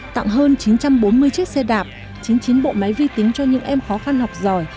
tặng hơn chín trăm bốn mươi chiếc xe đạp chín mươi chín bộ máy vi tính cho những em khó khăn học giỏi